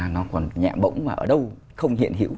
nó còn nhẹ bỗng mà ở đâu không hiện hiểu